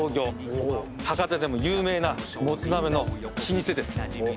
博多でも有名なモツ鍋の老舗です。